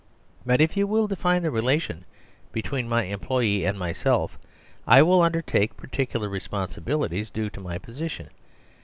But if you will define the relation between my em ployees and myself, I will undertake particular re sponsibilities due to my position.